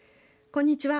こんにちは。